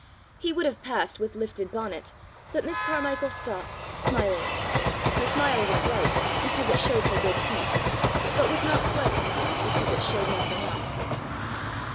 He would have passed with lifted bonnet, but Miss Carmichael stopped, smiling: her smile was bright because it showed her good teeth, but was not pleasant because it showed nothing else.